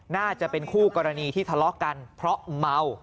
น่าจะเป็นคู่กรณีที่ทะเลาะกันเพราะเมา